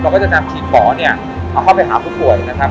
ก็จะนำฉีดหมอเนี่ยเอาเข้าไปหาผู้ป่วยนะครับ